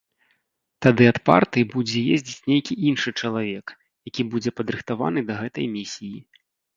Тады ад партыі будзе ездзіць нейкі іншы чалавек, які будзе падрыхтаваны да гэтай місіі.